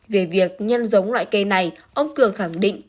về việc nhân giống loại cây này ông cường khẳng định